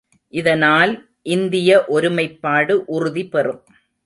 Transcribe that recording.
இதனால் இந்திய ஒருமைப்பாடு உறுதி பெறும்.